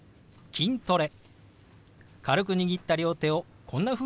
「筋トレ」。